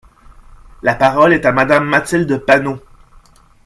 La parole est à Madame Mathilde Panot.